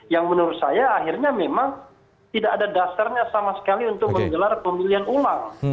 yang menurut saya akhirnya memang tidak ada dasarnya sama sekali untuk menggelar pemilihan ulang